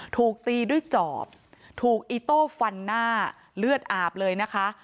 ถูกตีด้วยจอบถูกอีโต้ฟันหน้าเลือดอาบเลยนะคะ